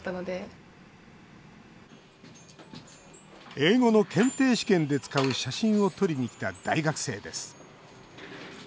英語の検定試験で使う写真を撮りに来た大学生です。